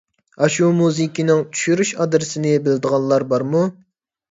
ئاشۇ مۇزىكىنىڭ چۈشۈرۈش ئادرېسىنى بىلىدىغانلار بارمۇ؟